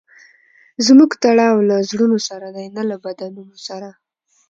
زموږ تړاو له زړونو سره دئ؛ نه له بدنونو سره.